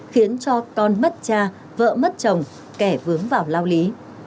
khiến cho con mất cha vợ mất chồng kẻ vướng vào lao lý